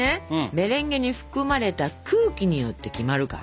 メレンゲに含まれた空気によって決まるから。